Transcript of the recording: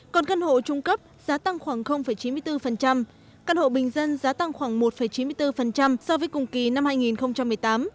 còn căn hộ trung cấp giá tăng khoảng chín mươi bốn căn hộ bình dân giá tăng khoảng một chín mươi bốn so với cùng kỳ năm hai nghìn một mươi tám